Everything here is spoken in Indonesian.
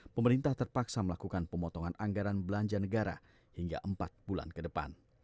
pemerintah terpaksa melakukan pemotongan anggaran belanja negara hingga empat bulan ke depan